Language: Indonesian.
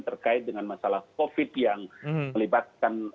terkait dengan masalah covid sembilan belas yang melibatkan